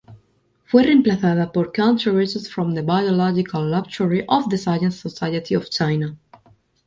Fue reemplazada por "Contributions from the Biological Laboratory of the Science Society of China.